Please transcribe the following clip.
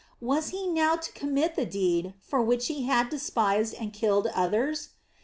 Was he now to commit the deed for which he had despised and killed others?